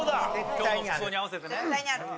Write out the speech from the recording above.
今日の服装に合わせてね。